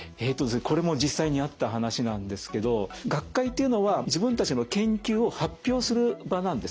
これも実際にあった話なんですけど学会というのは自分たちの研究を発表する場なんですね。